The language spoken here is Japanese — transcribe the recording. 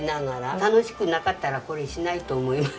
楽しくなかったらこれしないと思います。